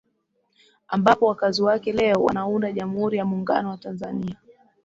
ambapo wakazi wake leo wanaunda Jamhuri ya Muungano wa Tanzania